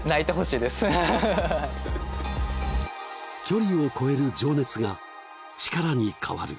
距離を超える情熱がチカラに変わる